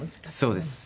そうです。